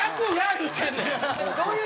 言うてんねん。